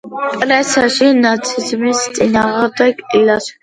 პრესაში ნაციზმის წინააღმდეგ ილაშქრებდა.